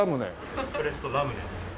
エスプレッソラムネです。